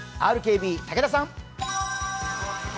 ＲＫＢの武田さん。